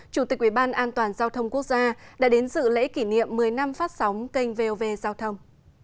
chủ tịch ủy ban an toàn giao thông quốc gia đã đến dự lễ kỷ niệm một mươi năm phát sóng kênh vov giao thông